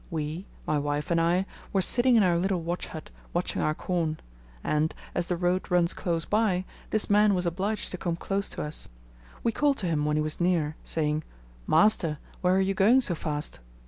We (my wife and 1) were sitting in our little watch hut, watching our corn; and, as the road runs close by, this man was obliged to come close to us. We called to him when he was near, saying, 'Master, where are you going so fast?